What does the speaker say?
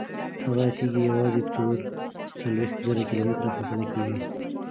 هغه تیږه یوازې په څلور څلوېښت زره کیلومتره فاصله کې وه.